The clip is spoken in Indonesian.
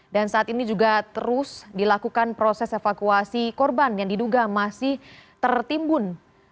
dan saat ini juga terus dilakukan proses evakuasi korban yang diduga masih tertimbun